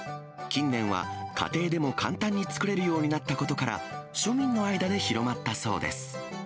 近年は家庭でも簡単に作れるようになったことから、庶民の間で広まったそうです。